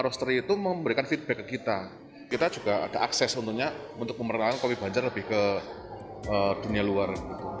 rosteri itu memberikan feedback ke kita kita juga ada akses untuk pemerintahan kopi banjar lebih ke dunia luar